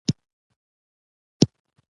غوماشې ناپاکي له یوه ځایه بل ته انتقالوي.